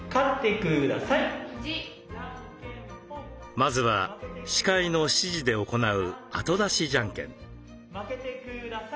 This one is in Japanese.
まずは司会の指示で行う後出しジャンケン。